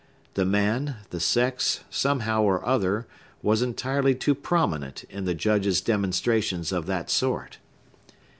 The man, the sex, somehow or other, was entirely too prominent in the Judge's demonstrations of that sort.